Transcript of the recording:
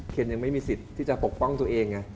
ยังไม่มีสิทธิ์ที่จะปกป้องตัวเอง